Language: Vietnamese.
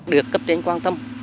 được cấp trên quan tâm